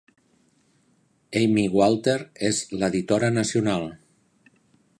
Amy Walter és l'editora nacional.